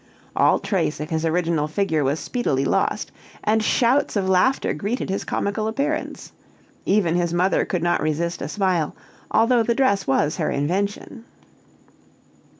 All trace of his original figure was speedily lost, and shouts of laughter greeted his comical appearance. Even his mother could not resist a smile, although the dress was her invention.